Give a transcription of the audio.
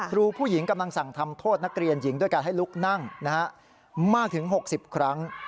ครูผู้หญิงกำลังสั่งทำโทษนักเรียนหญิงด้วยการให้ลุกนั่งมากถึง๖๐ครั้ง